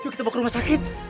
kita bawa ke rumah sakit